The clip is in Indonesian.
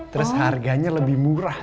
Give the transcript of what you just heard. terus harganya lebih murah